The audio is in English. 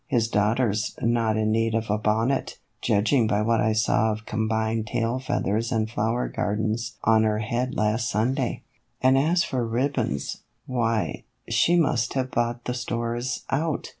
His daughter 's not in need of a bonnet, judging by what I saw of combined tail feathers and flower gardens on her head last Sunday. And as for ribbons, why, she must have bought the stores out.